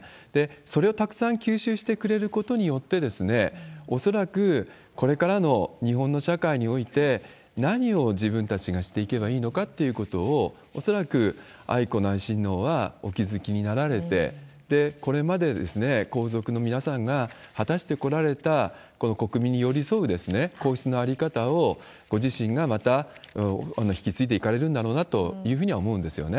それをたくさん吸収してくれることによって、恐らくこれからの日本の社会において、何を自分たちがしていけばいいのかっていうことを、恐らく愛子内親王はお気付きになられて、これまで皇族の皆さんが果たしてこられた、この国民に寄り添う皇室の在り方を、ご自身がまた引き継いでいかれるんだろうなというふうには思うんですよね。